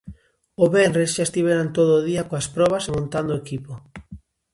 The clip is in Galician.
O venres xa estiveron todo o día coas probas e montando o equipo.